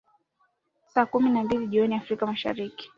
ya saa kumi na mbili jioni afrika mashariki